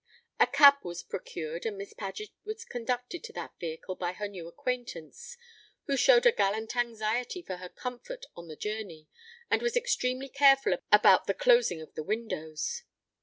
A cab was procured, and Miss Paget was conducted to that vehicle by her new acquaintance, who showed a gallant anxiety for her comfort on the journey, and was extremely careful about the closing of the windows.